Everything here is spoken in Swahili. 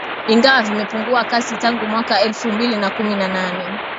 ingawa vimepungua kasi tangu mwaka elfu mbili na kumi na nane